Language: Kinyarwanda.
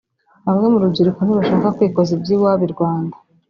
Bamwe mu rubyiruko ntibashaka kwikoza iby’iwabo i Rwanda